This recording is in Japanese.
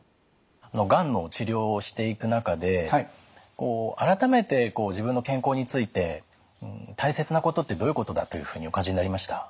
がんの治療をしていく中で改めて自分の健康について大切なことってどういうことだというふうにお感じになりました？